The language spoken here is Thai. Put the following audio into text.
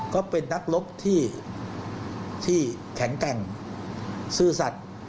ก็เป็นนักรบที่แข็งแกร่งซื่อสัตว์